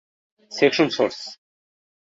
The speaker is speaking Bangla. section source